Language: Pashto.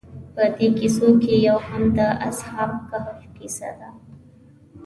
په دې کیسو کې یو هم د اصحاب کهف کیسه ده.